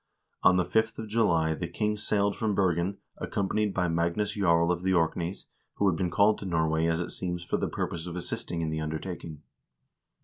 On the 5th of July the king sailed from Bergen, accompanied by Magnus Jarl of the Orkneys, who had been called to Norway, as it seems, for the purpose of assist ing in the undertaking.